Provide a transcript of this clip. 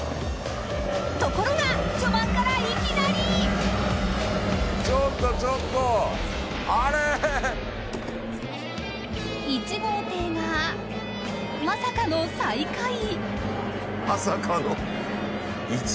ところが、序盤からいきなり１号艇が、まさかの最下位。